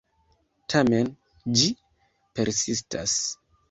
Tamen, ĝi persistas.